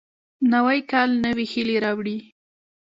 نوی کال نوې هیلې راوړي